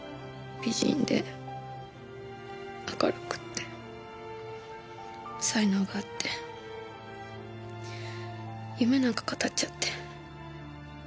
美人で明るくって才能があって夢なんか語っちゃって。